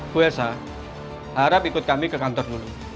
puasa harap ikut kami ke kantor dulu